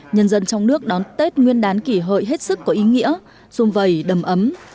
nhân dân trong nước đón tết nguyên đán kỷ hợi hết sức có ý nghĩa xung vầy đầm ấm